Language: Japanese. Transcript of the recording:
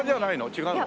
違うの？